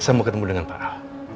saya mau ketemu dengan pak ahok